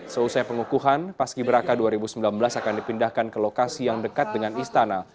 seusai pengukuhan paski beraka dua ribu sembilan belas akan dipindahkan ke lokasi yang dekat dengan istana